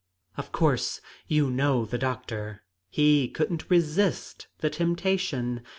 "Of course; you know the doctor. He couldn't resist the temptation.